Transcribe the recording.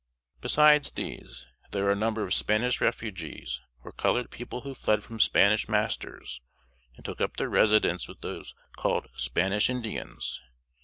Besides these, there are a number of Spanish Refugees, or colored people who fled from Spanish masters and took up their residence with those called "Spanish Indians."